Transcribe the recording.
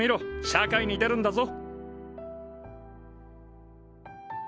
社会に出るんだぞ。